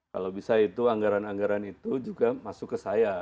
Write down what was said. kalau bisa itu anggaran anggaran itu juga masuk ke saya